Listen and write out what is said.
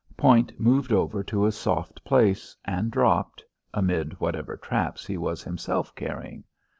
Point moved over to a soft place, and dropped amid whatever traps he was himself carrying.